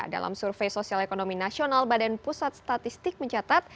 dalam survei sosial ekonomi nasional badan pusat statistik mencatat